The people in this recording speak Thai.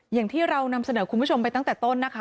อย่างที่เรานำเสนอคุณผู้ชมไปตั้งแต่ต้นนะคะ